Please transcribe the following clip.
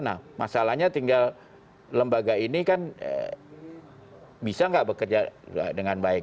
nah masalahnya tinggal lembaga ini kan bisa nggak bekerja dengan baik